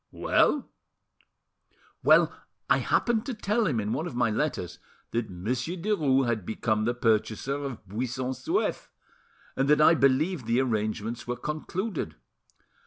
Well?" "Well, I happened to tell him in one of my letters that Monsieur Derues had become the purchaser of Buisson Souef, and that I believed the arrangements were concluded.